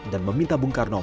dan meminta bung karno